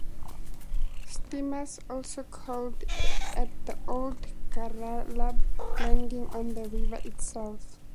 Steamers also called at the Old Garabal Landing on the river itself.